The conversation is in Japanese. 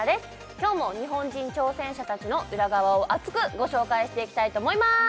今日も日本人挑戦者達の裏側を熱くご紹介していきたいと思います！